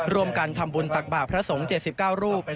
ร่วมกันทำบุญตักบาทพระสงฆ์๗๙รูป